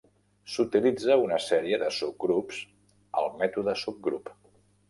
S'utilitza una sèrie de subgrups al mètode subgrup.